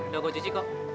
udah gue cuci kok